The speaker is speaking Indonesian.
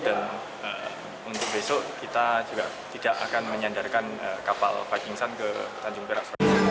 dan untuk besok kita juga tidak akan menyandarkan kapal viking sun ke tanjung perak